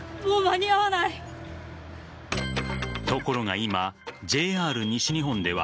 ところが、今ＪＲ西日本では